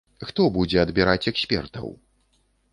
Хто будзе адбіраць экспертаў?